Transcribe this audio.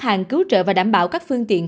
hàng cứu trợ và đảm bảo các phương tiện